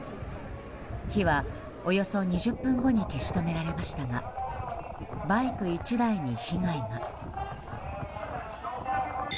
火は、およそ２０分後に消し止められましたがバイク１台に被害が。